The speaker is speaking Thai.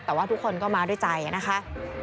แต่ว่าทุกคนก็มาด้วยใจนะคะ